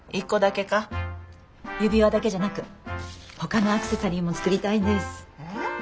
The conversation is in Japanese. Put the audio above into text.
指輪だけじゃなくほかのアクセサリーも作りたいんです。